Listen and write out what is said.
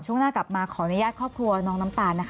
ช่วงหน้ากลับมาขออนุญาตครอบครัวน้องน้ำตาลนะคะ